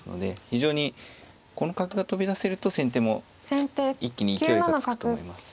非常にこの角が飛び出せると先手も一気に勢いがつくと思います。